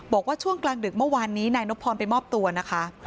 บอกว่าช่วงกลางดึกเมื่อวานนี้นายนพรไปมอบตัวนะคะ